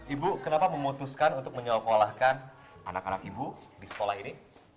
ibu kenapa memutuskan untuk menyokolahkan anak anak ibu di sekolah ini